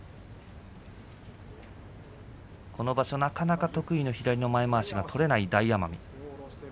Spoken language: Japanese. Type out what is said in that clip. この場所、なかなか得意の左の前まわしが取れない大奄美。